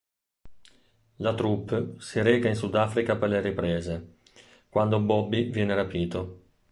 La troupe si reca in Sudafrica per le riprese, quando Bobby viene rapito.